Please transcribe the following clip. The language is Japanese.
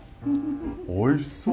おいしそう。